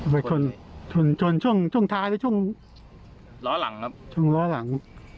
ไปชนชนชนช่วงช่วงท้ายหรือช่วงล้อหลังครับช่วงล้อหลัง